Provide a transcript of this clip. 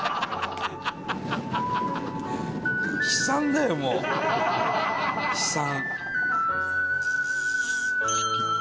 悲惨だよもう悲惨。